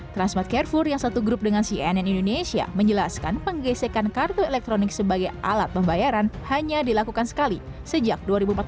transmart carefour yang satu grup dengan cnn indonesia menjelaskan penggesekan kartu elektronik sebagai alat pembayaran hanya dilakukan sekali sejak dua ribu empat belas